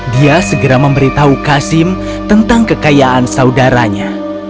dia segera memberitahu kasim tentang kekayaan saudaranya